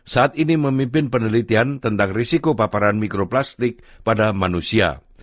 saat ini memimpin penelitian tentang risiko paparan mikroplastik pada manusia